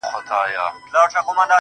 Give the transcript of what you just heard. که هر څو نجوني ږغېږي چي لونګ یم